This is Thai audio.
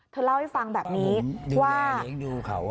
เธอเล่าให้ฟังแบบนี้ว่า